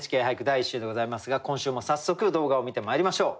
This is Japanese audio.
第１週でございますが今週も早速動画を観てまいりましょう。